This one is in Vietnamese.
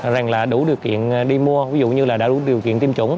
rằng là đủ điều kiện đi mua ví dụ như là đã đủ điều kiện tiêm chủng